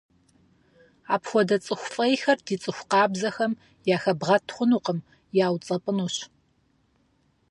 Апхуэдэ цӀыху фӀейхэр ди цӀыху къабзэхэм яхэбгъэт хъунукъым, яуцӀэпӀынущ.